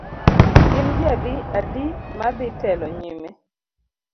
Gin ji adi madhi telo nyime?